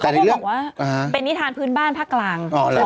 เขาบอกว่าเป็นนิทานพื้นบ้านภาคกลาง